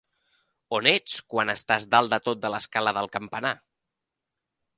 On ets quan estàs dalt de tot de l'escala del campanar?